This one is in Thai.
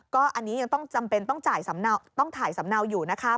ก็อันนี้ยังต้องจำเป็นต้องจ่ายต้องถ่ายสำเนาอยู่นะคะ